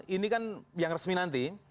ini kan yang resmi nanti